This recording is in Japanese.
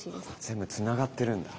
全部つながってるんだ。